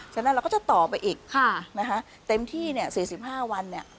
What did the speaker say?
ฉะนั้นเราก็จะต่อไปอีกนะคะเต็มที่เนี่ย๔๕วันเนี่ย